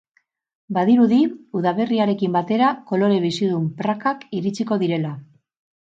Badirudi, udaberriarekin batera kolore bizidun prakak iritsiko direla.